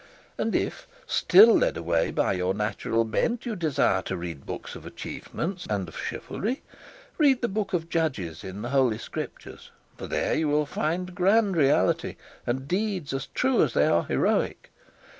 And if, still led away by your natural bent, you desire to read books of achievements and of chivalry, read the Book of Judges in the Holy Scriptures, for there you will find grand reality, and deeds as true as they are heroic.